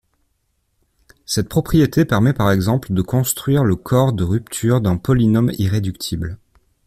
Cette propriété permet par exemple de construire le corps de rupture d'un polynôme irréductible.